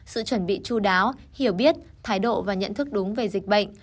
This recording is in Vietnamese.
sự chuẩn bị chú đáo hiểu biết thái độ và nhận thức đúng về dịch bệnh